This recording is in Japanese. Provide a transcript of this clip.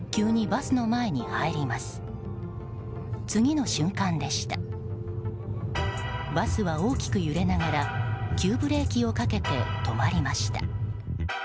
バスは大きく揺れながら急ブレーキをかけて止まりました。